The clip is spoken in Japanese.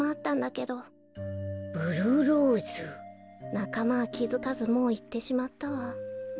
なかまはきづかずもういってしまったわ。